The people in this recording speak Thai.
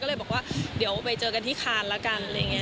ก็เลยบอกว่าเดี๋ยวไปเจอกันที่คานแล้วกันอะไรอย่างนี้